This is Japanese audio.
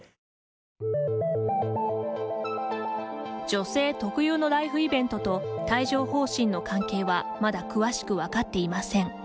女性特有のライフイベントと帯状ほう疹の関係はまだ詳しく分かっていません。